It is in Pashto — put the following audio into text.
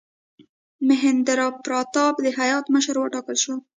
میهندراپراتاپ د هیات مشر وټاکل شو.